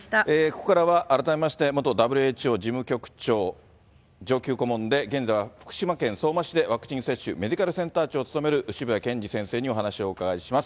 ここからは改めまして、元ＷＨＯ事務局長、上級顧問で、現在は福島県相馬市で、ワクチン接種メディカルセンター長を務める渋谷健司先生にお話を伺います。